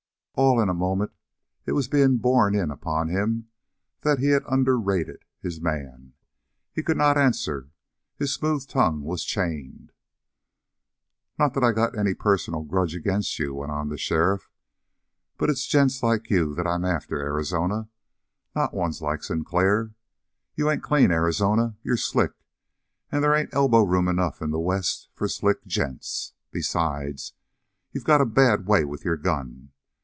All in a moment it was being borne in upon him that he had underrated his man. He could not answer. His smooth tongue was chained. "Not that I got any personal grudge agin' you," went on the sheriff, "but it's gents like you that I'm after, Arizona, and not one like Sinclair. You ain't clean, Arizona. You're slick, and they ain't elbowroom enough in the West for slick gents. Besides, you got a bad way with your gun.